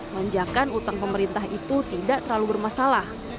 menjakan utang pemerintah itu tidak terlalu bermasalah